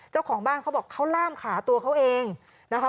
เจ้าของบ้านเขาบอกเขาล่ามขาตัวเขาเองนะคะ